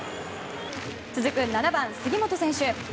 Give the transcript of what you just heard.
続く７番、杉本選手。